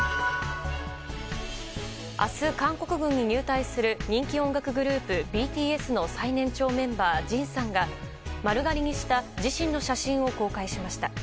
明日、韓国軍に入隊する人気音楽グループＢＴＳの最年長メンバー、ＪＩＮさんが丸刈りにした自身の写真を公開しました。